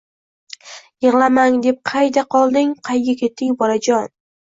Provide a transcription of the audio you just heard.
Yiglamang deb”qayda qolding-qayga ketding bolajon”